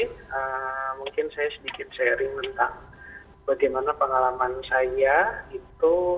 jadi mungkin saya sedikit sharing tentang bagaimana pengalaman saya itu